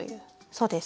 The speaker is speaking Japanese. そうです。